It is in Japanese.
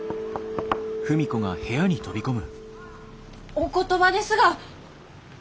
お言葉ですが。